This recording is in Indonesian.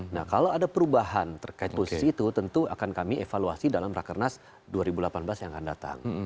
nah kalau ada perubahan terkait posisi itu tentu akan kami evaluasi dalam rakernas dua ribu delapan belas yang akan datang